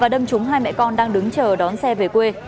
đâm trúng hai mẹ con đang đứng chờ đón xe về quê